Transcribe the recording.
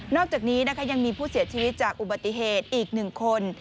อกจากนี้นะคะยังมีผู้เสียชีวิตจากอุบัติเหตุอีก๑คน